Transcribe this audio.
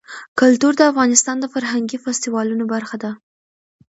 کلتور د افغانستان د فرهنګي فستیوالونو برخه ده.